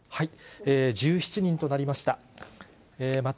１７人となりました。